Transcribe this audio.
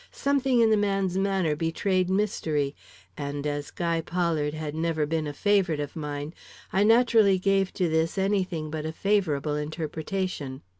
Something in the man's manner betrayed mystery, and as Guy Pollard had never been a favorite of mine, I naturally gave to this any thing but a favorable interpretation.